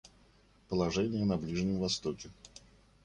Положение на Ближнем Востоке.